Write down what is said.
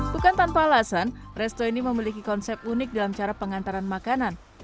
bukan tanpa alasan resto ini memiliki konsep unik dalam cara pengantaran makanan